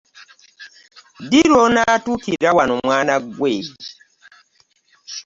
Ddi lw'onatuukira wano mwana ggwe.